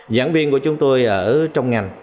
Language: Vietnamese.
giảng viên của chúng tôi ở trong ngành